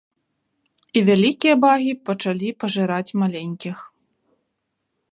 І вялікія багі пачалі пажыраць маленькіх.